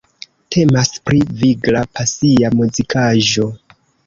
Temas pri vigla, pasia muzikaĵo.